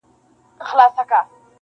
پلی درومي او په مخ کي یې ګوډ خر دی!